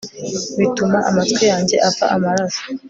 bituma amatwi yanjye ava amaraso